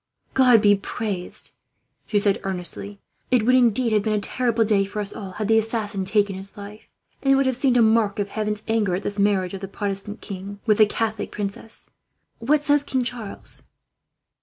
"God be praised!" she said earnestly. "It would indeed have been a terrible day for us all, had the assassin taken his life; and it would have seemed a mark of Heaven's anger at this marriage of the Protestant king with a Catholic princess. What says King Charles?"